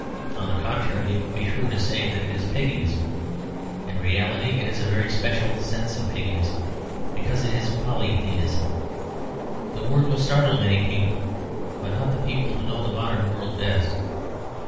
On the contrary, it would be truer to say that it is paganism. In reality it is in a very special sense paganism; because it is polytheism. The word will startle many people, but not the people who know the modern world best.